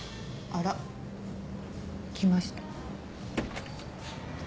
あら？来ました。